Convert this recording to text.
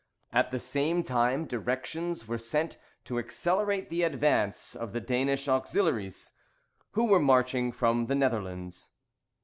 At the same time directions were sent to accelerate the advance of the Danish auxiliaries, who were marching from the Netherlands."